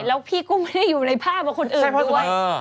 แล้วพี่ก็ไม่ได้อยู่ในภาพกับคนอื่นด้วย